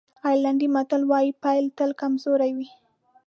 آیرلېنډی متل وایي پيل تل کمزوری وي.